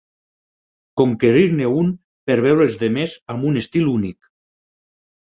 Conquerir-ne un per veure els demés amb un estil únic.